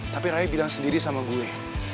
tapi raya bilang sendiri sama gue